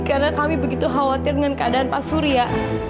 karena kami begitu khawatir dengan keadaan pak surya